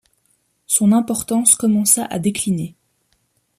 Son importance commença à décliner.